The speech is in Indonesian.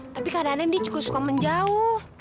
tapi kadang kadang dia cukup suka menjauh